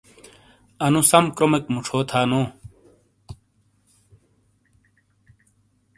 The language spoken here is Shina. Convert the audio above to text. انو سم کرومیک موشو تھانوں